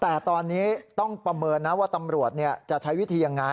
แต่ตอนนี้ต้องประเมินนะว่าตำรวจจะใช้วิธียังไง